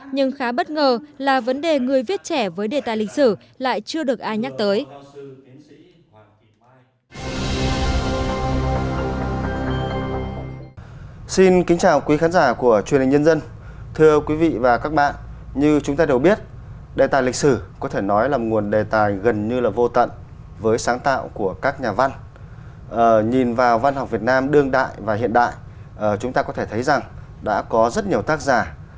nhưng khá bất ngờ là vấn đề người viết trẻ với đề tài lịch sử lại chưa được ai nhắc tới